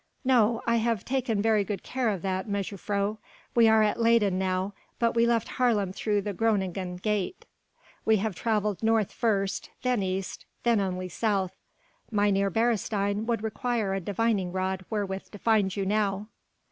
"No! I have taken very good care of that, mejuffrouw. We are at Leyden now, but we left Haarlem through the Groningen gate. We travelled North first, then East, then only South.... Mynheer Beresteyn would require a divining rod wherewith to find you now."